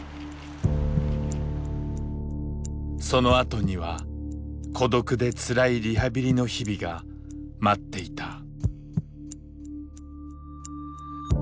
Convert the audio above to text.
そのあとには孤独でつらいリハビリの日々が待っていた。